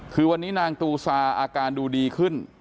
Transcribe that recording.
คือวันนี้นางตูซาอาการดูดีขึ้น